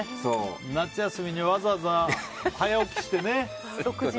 夏休みにわざわざ早起きしてね。